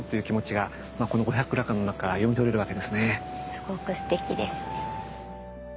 すごくすてきですね。